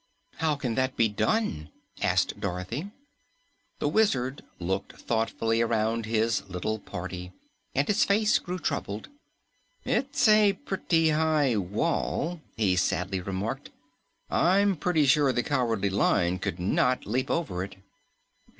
"How can that be done?" asked Dorothy. The Wizard looked thoughtfully around his little party, and his face grew troubled. "It's a pretty high wall," he sadly remarked. "I'm pretty sure the Cowardly Lion could not leap over it."